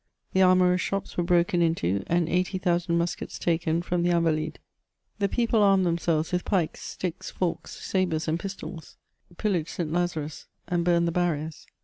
The armourers' shops were broken into, and 80,000 mus* kets taken from the Invalides ; the people armed themselves with pikes, sticks, forks, sabres, and pistols — pillaged St. Lazarus and burned the barriers.